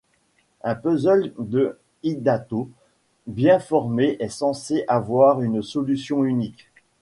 Un puzzle de Hidato bien formé est censé avoir une solution unique.